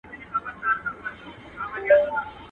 پردي توپونه به غړومبېږي د قیامت تر ورځي.